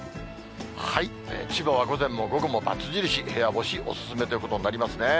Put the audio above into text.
千葉は午前も午後も×印、部屋干し、お勧めということになりますね。